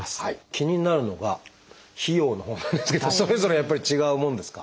気になるのが費用のほうなんですけどそれぞれやっぱり違うものですか？